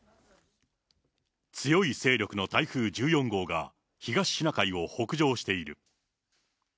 強い勢力の台風１４号が、東シナ海を北上している。